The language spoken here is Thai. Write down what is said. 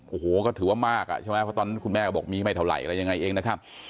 โอ้โหก็ถือว่ามากอ่ะใช่ไหมเพราะตอนนั้นคุณแม่ก็บอกมีไม่เท่าไหร่อะไรยังไงเองนะครับ